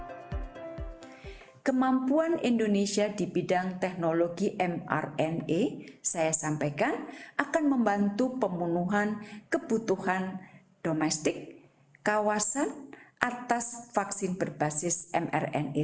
pertama kemampuan indonesia di bidang teknologi mrna saya sampaikan akan membantu pemenuhan kebutuhan domestik kawasan atas vaksin berbasis mrna